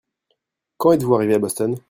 Quand êtes-vous arrivé à Boston ?